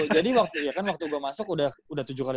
jadi waktu gua masuk udah tujuh kali